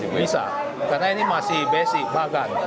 bisa karena ini masih basic bagan